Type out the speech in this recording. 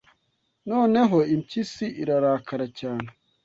noneho impyisi irakara cyane